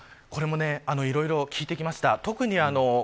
これもいろいろ聞いてきました。